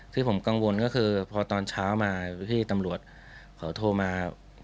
ที่ผมกังวลก็คือพอตอนเช้ามาพี่ตำรวจเขาโทรมา